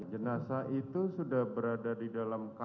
jenazah itu sudah berada di dalam kamar